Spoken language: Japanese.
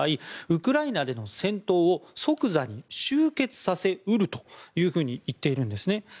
ウクライナでの戦闘を即座に終結させ得ると言っているんですね。